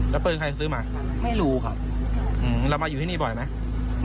แล้วปืนใครซื้อมาไม่รู้ครับเรามาอยู่ที่นี่บ่อยไหม